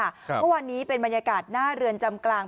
เมื่อวานนี้เป็นบรรยากาศหน้าเรือนจำกลาง